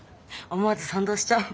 思わず賛同しちゃう。